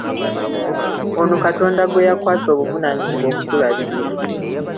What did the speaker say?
Ono Katonda gwe yakwasa obuvunaanyizibwa okutulabirira.